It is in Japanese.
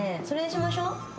それにしましょう。